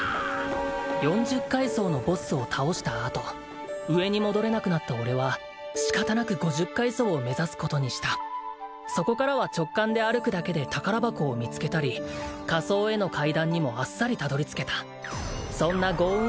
四十階層のボスを倒したあと上に戻れなくなった俺は仕方なく五十階層を目指すことにしたそこからは直感で歩くだけで宝箱を見つけたり下層への階段にもあっさりたどり着けたそんな豪運